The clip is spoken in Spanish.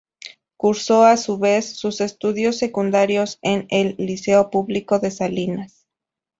Curso, a su vez, sus estudios secundarios en el Liceo público de Salinas.